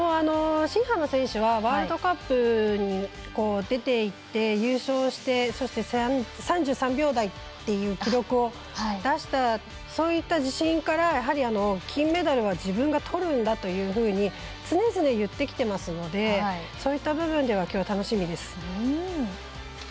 新濱選手はワールドカップに出ていて優勝して、そして３３秒台っていう記録を出した、そういった自信からやはり金メダルは自分がとるんだというふうに常々、言ってきていますのでそういった部分ではきょう楽しみです。